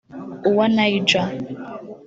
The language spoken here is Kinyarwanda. uwa Niger